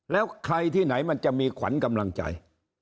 แล้วใครที่ไหนมันจะมีขวัญกำลังใจ